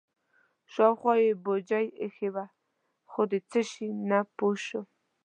شاوخوا یې بوجۍ ایښې وې خو د څه شي نه پوه شوم.